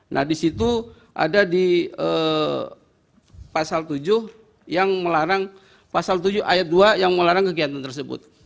nah di situ ada di pasal tujuh yang melarang pasal tujuh ayat dua yang melarang kegiatan tersebut